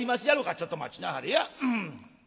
「ちょっと待ちなはれや。